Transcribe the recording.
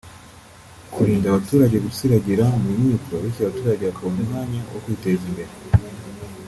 kurinda abaturage gusiragira mu Nkiko bityo abaturage bakabona umwanya wo kwiteza imbere